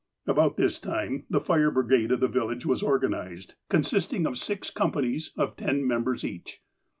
About this time the fire brigade of the village was or ganized, consisting of six companies of ten members each.